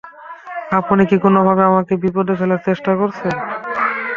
আপনি কি কোনোভাবে আমাকে বিপদে ফেলার চেষ্টা করছেন?